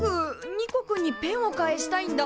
ニコくんにペンを返したいんだ。